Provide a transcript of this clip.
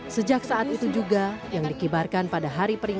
sejak saat itu juga yang dikebarkan pada hari perjalanan